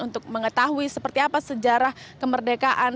untuk mengetahui seperti apa sejarah kemerdekaan